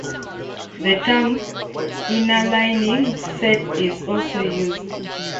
The term inner limiting set is also used.